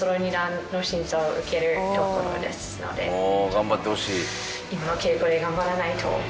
頑張ってほしい。